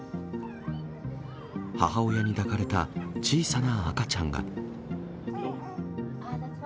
母親に抱かれた小さな赤ちゃんが。